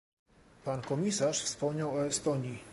Pan komisarz wspomniał o Estonii